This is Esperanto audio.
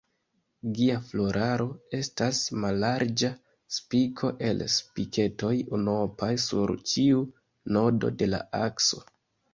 Gia floraro estas mallarĝa spiko el spiketoj unuopaj sur ĉiu nodo de la akso.